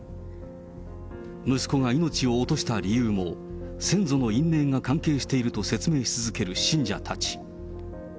息子が命を落とした理由も、先祖の因縁が関係していると説明し続ける信者たち。